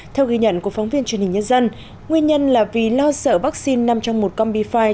theo ghi nhận của phóng viên truyền hình nhân dân nguyên nhân là vì lo sợ vaccine nằm trong một combifi